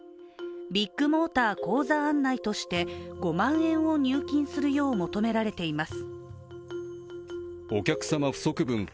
ビッグモーター口座案内として５万円を入金するよう求められています。